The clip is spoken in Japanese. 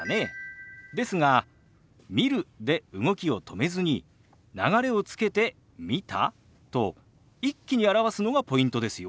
ですが「見る」で動きを止めずに流れをつけて「見た？」と一気に表すのがポイントですよ。